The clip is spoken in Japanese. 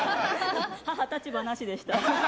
母、立場なしでした。